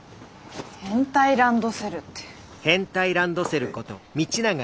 変態ランドセルって。